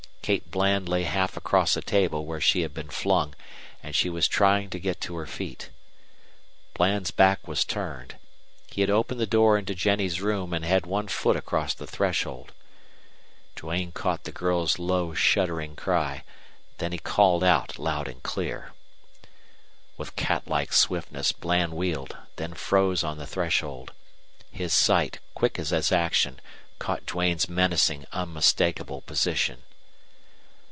Kate Bland lay half across a table where she had been flung, and she was trying to get to her feet. Bland's back was turned. He had opened the door into Jennie's room and had one foot across the threshold. Duane caught the girl's low, shuddering cry. Then he called out loud and clear. With cat like swiftness Bland wheeled, then froze on the threshold. His sight, quick as his action, caught Duane's menacing unmistakable position.